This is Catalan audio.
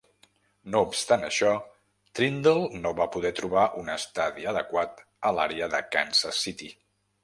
No obstant això, Trindle no va poder trobar un estadi adequat a l'àrea de Kansas City.